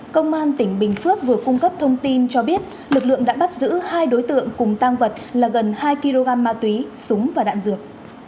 công an tỉnh bình phước vừa cung cấp thông tin cho biết lực lượng đã bắt giữ hai đối tượng cùng tang vật là gần hai kg ma túy súng và đạn dược